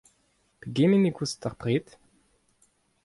Pegement e koust ar pred ?